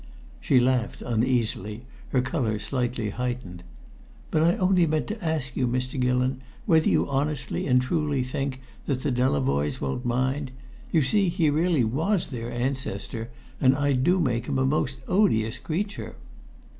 She laughed uneasily, her colour slightly heightened. "But I only meant to ask you, Mr. Gillon, whether you honestly and truly think that the Delavoyes won't mind? You see, he really was their ancestor, and I do make him a most odious creature."